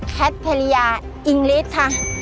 คัตริยาอิงกลิสต์ค่ะ